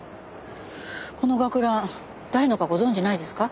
この学ラン誰のかご存じないですか？